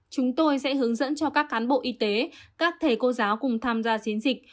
chúng tôi sẽ hướng dẫn cho các cán bộ y tế các thầy cô giáo cùng tham gia chiến dịch